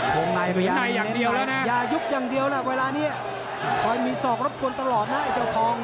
โฮงในอย่างเดียวแล้วนะครับอย่ายุบอย่างเดียวแล้วเวลานี้คอยมีศอกรบกวนตลอดนะไอ้เจ้าทอง